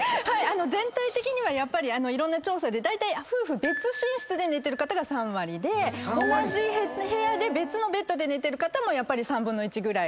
全体的にはいろんな調査で夫婦別寝室で寝てる方が３割同じ部屋で別のベッドで寝てる方も３分の１ぐらいでとか。